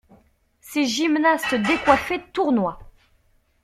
Ces gymnastes décoiffés tournoient.